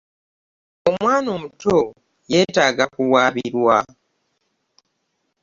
Omwana omuto yetaaga kuwabirwa.